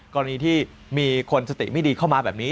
กรณีที่มีคนสติไม่ดีเข้ามาแบบนี้